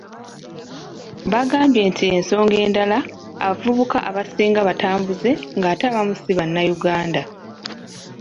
Yagambye nti ensonga endala, abavubi abasinga batambuze nga n'abamu ssi bannayuganda.